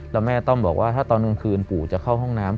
แล้วแม่ต้องบอกว่าถ้าตอนกลางคืนปู่จะเข้าห้องน้ำ